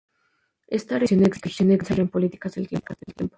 Esta reivindicación exigía pensar en políticas del tiempo.